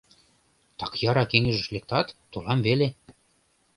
Так яра кеҥежыш лектат, толам веле.